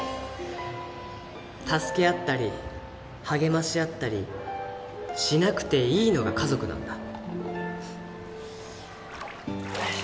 助け合ったり励ましあったりしなくていいのが家族なんだ。